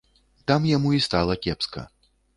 Там яму і стала кепска.